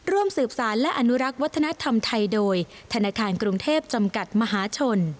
ร่วมสืบสารและอนุรักษ์วัฒนธรรมไทยโดยธนาคารกรุงเทพจำกัดมหาชน